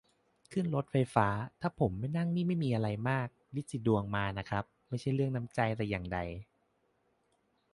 ขึ้นรถไฟฟ้า ถ้าผมไม่นั่งนี่ ไม่มีอะไรมาก ริดสีดวงมาน่ะครับ ไม่ใช่เรื่องน้ำใจแต่อย่างใด